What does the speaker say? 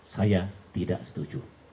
saya tidak setuju